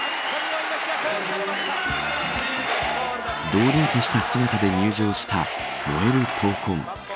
堂々とした姿で入場した燃える闘魂。